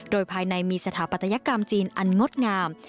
โดยภายในมีสถาปัตยกรรมจีนอันงดงาม